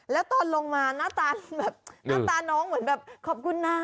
แล้วตอนลงมาหน้าตาแบบหน้าตาน้องเหมือนแบบขอบคุณนะ